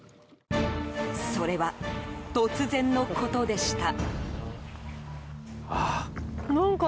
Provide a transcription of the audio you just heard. それは突然のことでした。